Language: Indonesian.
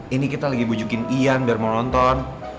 ini kita lagi bujukin ian biar mau nonton